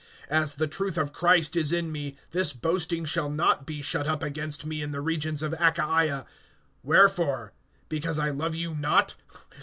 (10)As the truth of Christ is in me, this boasting shall not be shut up against me in the regions of Achaia. (11)Wherefore? Because I love you not?